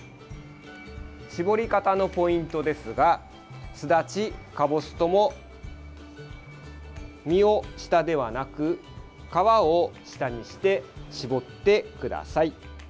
搾り方のポイントですがすだち、かぼすとも実を、下ではなく皮を下にして搾ってください。